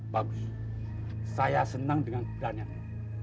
bagus saya senang dengan keberanianmu